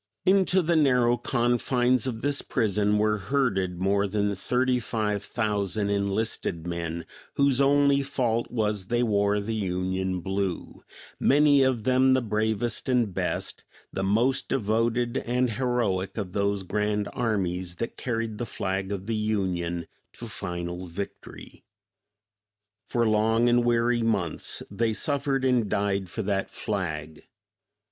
"Into the narrow confines of this prison were herded more than thirty five thousand enlisted men, whose only fault was they 'wore the Union blue,' many of them the bravest and best, the most devoted and heroic of those grand armies that carried the flag of the Union to final victory. For long and weary months they suffered and died for that flag.